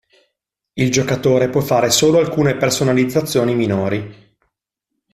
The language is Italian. Il giocatore può fare solo alcune personalizzazioni minori.